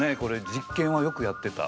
実験はよくやってた。